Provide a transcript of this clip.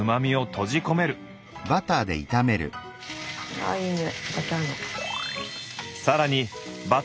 ああいいにおいバターの。